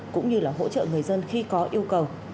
cũng như là hỗ trợ người dân khi có yêu cầu